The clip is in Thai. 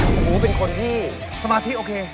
โอ้โหเป็นคนที่สมาธิโอเค